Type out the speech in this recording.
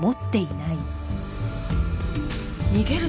逃げる